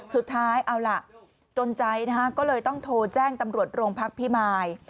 สุดท้ายเอาล่ะจนใจนะฮะก็เลยต้องโทรแจ้งตำรวจโรงพักพิมาย